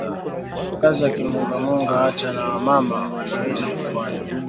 Kazi ya ki munganga ata na wa mama wanaweza kufanya